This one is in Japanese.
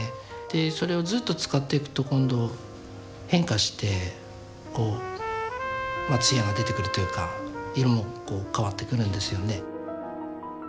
でそれをずっと使っていくと今度変化してこう艶が出てくるというか色もこう変わってくるんですよね。